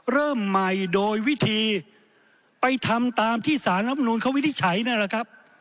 เริ่มใหม่โดยวิธีไปทำตามที่สารรับนูลเขาวินิจฉัยนั่นแหละครับ